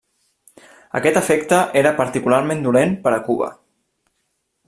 Aquest efecte era particularment dolent per a Cuba.